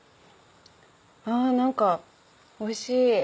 あ何かおいしい！